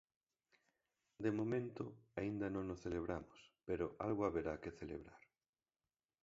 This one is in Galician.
De momento aínda non o celebramos, pero algo haberá que celebrar.